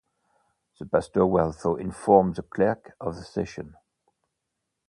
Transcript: The pastor will also inform the clerk of the session